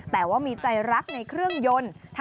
แต่ว่ามีใจรักในเครื่องยนต์